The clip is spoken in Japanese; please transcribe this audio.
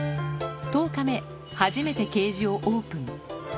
１０日目、初めてケージをオープン。